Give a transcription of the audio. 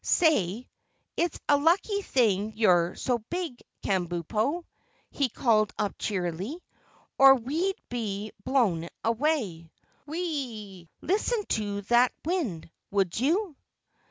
"SAY, it's a lucky thing you're so big, Kabumpo," he called up cheerily, "or we'd be blown away. Whee listen to that wind, would you!"